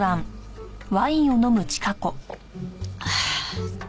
ああ。